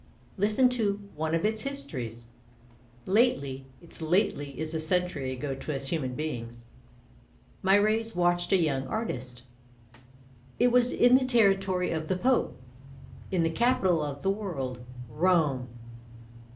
Listen to one of its histories, — Lately (its lately is a century ago to us human beings) my rays watched a young artist; it was in the territory of the Pope, in the capital of the world — Rome.